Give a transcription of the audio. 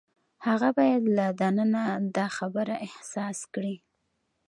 هغه باید له دننه دا خبره احساس کړي.